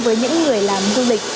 với những người làm du lịch